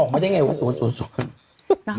ไม่ได้ไงว่า๐๐